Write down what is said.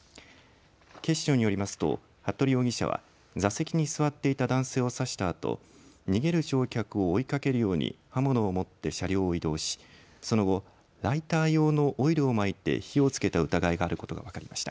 警視庁によりますと服部容疑者は座席に座っていた男性を刺したあと逃げる乗客を追いかけるように刃物を持って車両を移動し、その後ライター用のオイルをまいて火をつけた疑いがあることが分かりました。